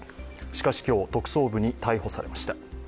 しかし今日、特捜部に逮捕されました。